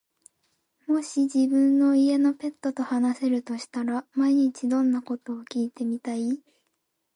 もし自分の家のペットと話せるとしたら、毎日どんなことを聞いてみたい？